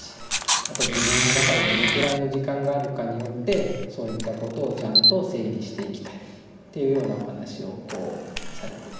あと自分の中でどれくらいの時間があるかによってそういったことをちゃんと整理していきたい」っていうようなお話をこうされて。